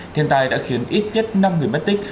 thiên tai đã khiến ít nhất năm người mất tích